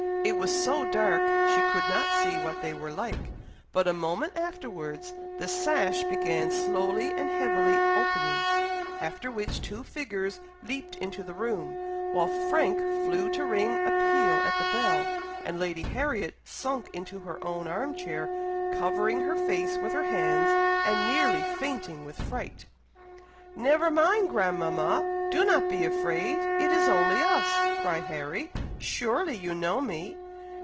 It was so dark, she could not see what they were like, but a moment afterwards the sash began slowly and heavily opening, after which two figures leaped into the room, while Frank flew to ring a peal at the bell, and Lady Harriet sunk into her own arm chair, covering her face with her hands, and nearly fainting with fright. "Never mind, grandmama! do not be afraid! it is only us!" cried Harry; "surely you know me?"